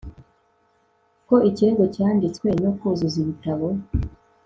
ko ikirego cyanditswe no kuzuza ibitabo